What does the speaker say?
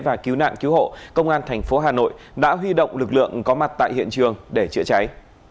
và cứu nạn cứu hộ công an thành phố hà nội đã huy động lực lượng có mặt tại hiện trường để chữa cháy